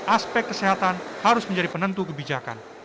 aspek kesehatan harus menjadi penentu kebijakan